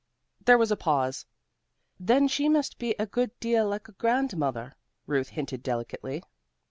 There was a pause. "Then she must be a good deal like a grandmother," Ruth hinted delicately.